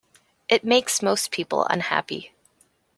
It makes most people unhappy.